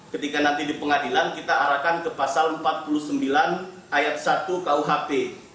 ketika nanti di pengadilan kita arahkan ke pasal empat puluh sembilan ayat satu kuhp